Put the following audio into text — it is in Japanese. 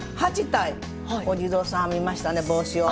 ８体お地蔵さん編みましたね帽子を。